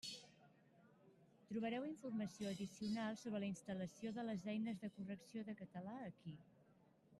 Trobareu informació addicional sobre la instal·lació de les eines de correcció de català aquí.